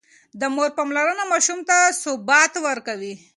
د مور پاملرنه ماشوم ته ثبات ورکوي.